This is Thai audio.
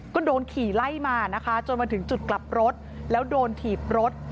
ก็โดนขี่ไล่มานะคะจนมาถึงจุดกลับรถแล้วโดนถีบรถ